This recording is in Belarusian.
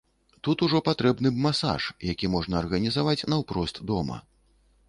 Тут ужо патрэбны б масаж, які можна арганізаваць наўпрост дома.